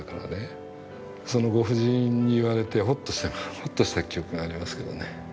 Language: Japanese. そのご婦人に言われてほっとした記憶がありますけどね。